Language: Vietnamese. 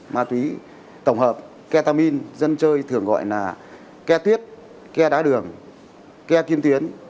ma túy tổng hợp ketamine dân chơi thường gọi là ke tuyết ke đá đường ke tiên tuyến